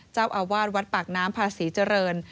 เจ้าอาวาสวัดปากน้ำพาศรีเจริญ